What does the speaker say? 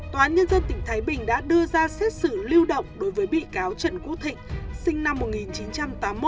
tòa án nhân dân tỉnh thái bình đã đưa ra xét xử lưu động đối với bị cáo trần quốc thịnh sinh năm một nghìn chín trăm tám mươi một